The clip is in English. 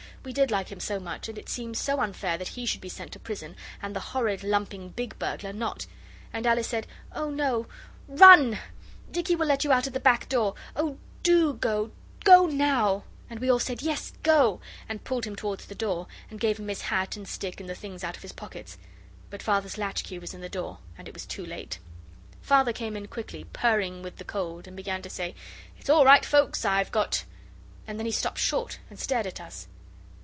We did like him so much, and it seemed so unfair that he should be sent to prison, and the horrid, lumping big burglar not. And Alice said, 'Oh, no run! Dicky will let you out at the back door. Oh, do go, go now.' And we all said, 'Yes, go,' and pulled him towards the door, and gave him his hat and stick and the things out of his pockets. But Father's latchkey was in the door, and it was too late. Father came in quickly, purring with the cold, and began to say, 'It's all right, Foulkes, I've got ' And then he stopped short and stared at us.